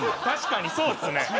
確かにそうですね。